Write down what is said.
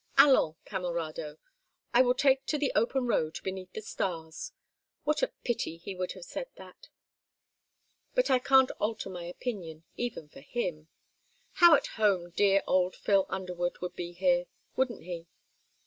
Allons, camerado, I will take to the open road beneath the stars.... What a pity he would have said that; but I can't alter my opinion, even for him.... How at home dear old Phil Underwood would be here, wouldn't he.